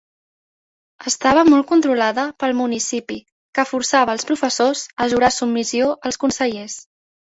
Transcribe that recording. Estava molt controlada pel municipi que forçava els professors a jurar submissió als consellers.